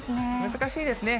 難しいですね。